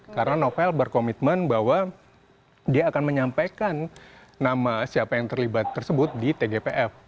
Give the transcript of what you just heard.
karena novel berkomitmen bahwa dia akan menyampaikan nama siapa yang terlibat tersebut di tgpf